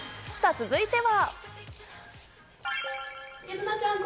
続いては。